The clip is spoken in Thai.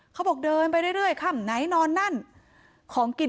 เขาบอกเดินไปเรื่อยค่ำไหนนอนนั่นของกิน